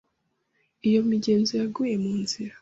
Iyo migenzo yaguye munzira.